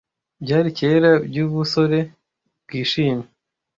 Byari kera byubusore bwishimye,